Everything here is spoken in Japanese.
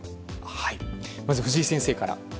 まず藤井先生から。